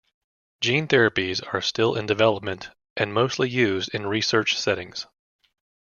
Gene therapies are still in development and mostly used in research settings.